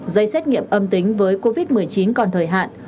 giấy xét nghiệm âm tính với covid một mươi chín còn thời hạn